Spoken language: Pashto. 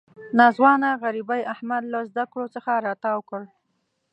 ناځوانه غریبۍ احمد له زده کړو څخه را تاو کړ.